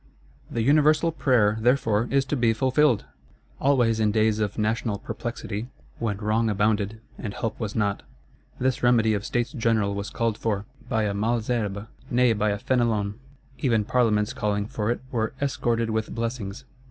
The universal prayer, therefore, is to be fulfilled! Always in days of national perplexity, when wrong abounded and help was not, this remedy of States General was called for; by a Malesherbes, nay by a Fénelon; even Parlements calling for it were "escorted with blessings."